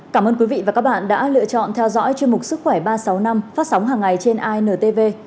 cảm ơn quý vị và các bạn đã lựa chọn theo dõi chuyên mục sức khỏe ba trăm sáu mươi năm phát sóng hàng ngày trên intv